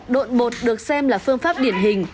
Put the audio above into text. độn bột được xem là phương pháp điển hình